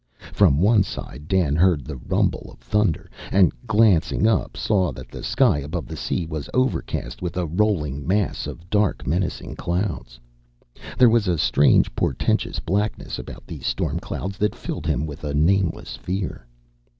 From one side Dan heard the rumble of thunder, and, glancing up, saw that the sky above the sea was overcast with a rolling mass of dark, menacing clouds. There was a strange portentous blackness about these storm clouds that filled him with a nameless fear.